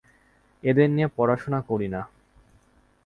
এদের নিয়ে পড়াশোনা করি না।